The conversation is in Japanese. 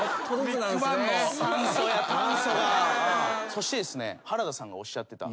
そしてですね原田さんがおっしゃってた。